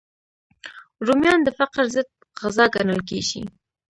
رومیان د فقر ضد غذا ګڼل کېږي